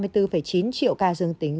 ba mươi bốn chín triệu ca dương tính